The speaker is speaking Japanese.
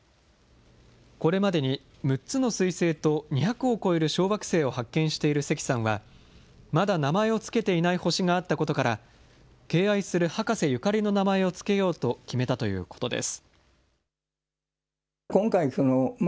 これまでに６つのすい星と２００を超える小惑星を発見している関さんは、まだ名前を付けていない星があったことから、敬愛する博士ゆかりの名前を付けようと決めたということです。